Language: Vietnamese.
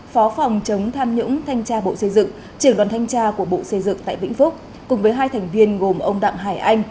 phó phòng chống tham nhũng thanh tra bộ xây dựng trưởng đoàn thanh tra của bộ xây dựng tại vĩnh phúc cùng với hai thành viên gồm ông đặng hải anh